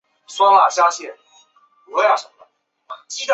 库里蒂巴努斯是巴西圣卡塔琳娜州的一个市镇。